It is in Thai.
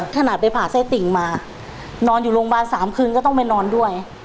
ขนาดไปผ่าไส้ติ่งมานอนอยู่โรงพยาบาล๓คืนก็ต้องไปนอนด้วย